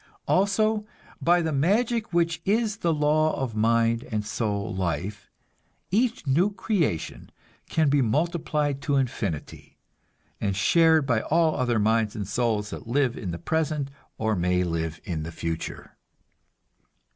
Also, by that magic which is the law of mind and soul life, each new creation can be multiplied to infinity, and shared by all other minds and souls that live in the present or may live in the future.